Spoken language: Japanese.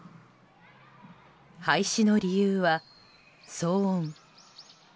廃止の理由は騒音。